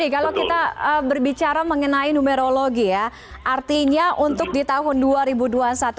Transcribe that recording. nah kalau mau bicara mengenai siapa yang mempunyai tujuh bulan itu